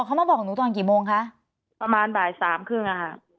เขามาบอกหนูตอนกี่โมงคะประมาณบ่ายสามครึ่งอะค่ะ